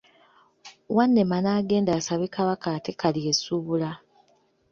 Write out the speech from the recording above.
Wannema n’agenda asabe Kabaka atte Kalyesuubula.